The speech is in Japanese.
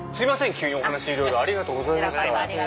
急にお話いろいろありがとうございました。